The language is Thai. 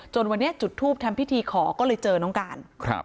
วันนี้จุดทูปทำพิธีขอก็เลยเจอน้องการ